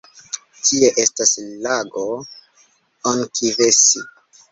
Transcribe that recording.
Tie estas lago Onkivesi.